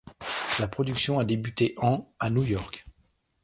La production a débuté en à New York.